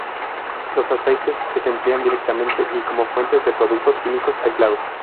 Los aceites que se emplean directamente y como fuentes de productos químicos aislados.